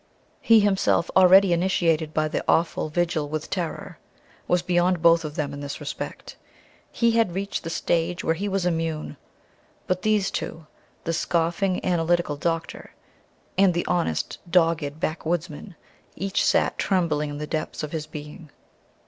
He himself, already initiated by the awful vigil with terror, was beyond both of them in this respect. He had reached the stage where he was immune. But these two, the scoffing, analytical doctor, and the honest, dogged backwoodsman, each sat trembling in the depths of his being.